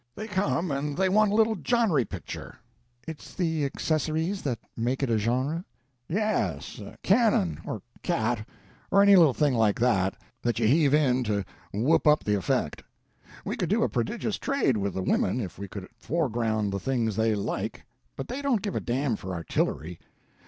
They come and they want a little johnry picture—" "It's the accessories that make it a genre?" "Yes—cannon, or cat, or any little thing like that, that you heave in to whoop up the effect. We could do a prodigious trade with the women if we could foreground the things they like, but they don't give a damn for artillery.